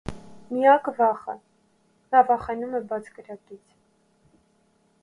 Միակ վախը. նա վախենում է բաց կրակից։